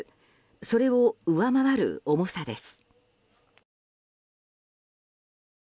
それを上回る重さです。